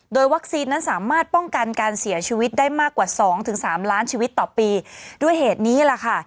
โดยวัคซีนนั้นสามารถป้องกันการเสียชีวิตได้มากกว่าสองถึงสามล้านชีวิตต่อปีด้วยเหตุนี้แหละค่ะ